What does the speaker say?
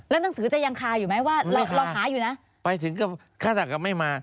แล้วหนังสือจะยังคาอยู่ไหมว่าเราคาอยู่นะไม่คาไปถึงก็คาจากก็ไม่มา